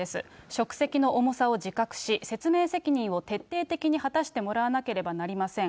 職責の重さを自覚し、説明責任を徹底的に果たしてもらわなければなりません。